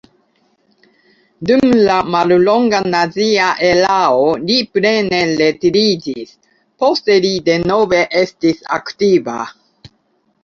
Dum la mallonga nazia erao li plene retiriĝis, poste li denove estis aktiva.